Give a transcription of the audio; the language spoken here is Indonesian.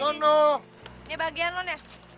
ini bagian lo nek